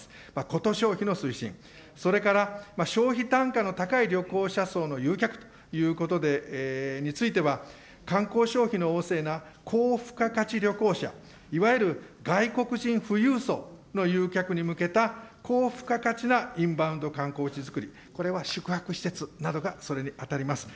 こと消費の推進、それから、消費単価の高い旅行者層の誘客ということについては、観光消費の旺盛な高付加価値旅行者、いわゆる外国人富裕層の誘客に向けた高付加価値なインバウンド観光地づくり、これは宿泊施設などがそれに当たります。